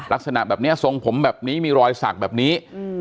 ลักษณะแบบนี้ทรงผมแบบนี้มีรอยสักแบบนี้